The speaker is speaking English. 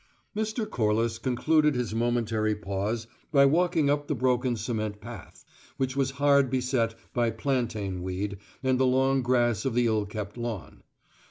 Mr. Corliss concluded his momentary pause by walking up the broken cement path, which was hard beset by plantain weed and the long grass of the ill kept lawn.